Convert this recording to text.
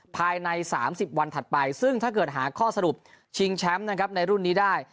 ภายใน๓๐วันถัดไปซึ่งถ้าเกิดหาข้อสรุปชิงแชมป์นะครับในรุ่นนี้ได้